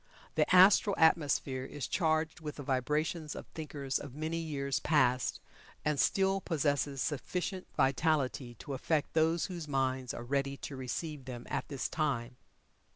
The astral atmosphere is charged with the vibrations of thinkers of many years past, and still possesses sufficient vitality to affect those whose minds are ready to receive them at this time.